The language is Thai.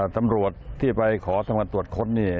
ตำรวจที่ไปขอตรวจค้นเนี่ย